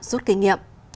rút kinh nghiệm